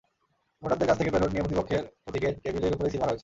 ভোটারদের কাছ থেকে ব্যালট নিয়ে প্রতিপক্ষের প্রতীকে টেবিলের ওপরেই সিল মারা হয়েছে।